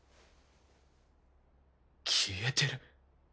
消えてる。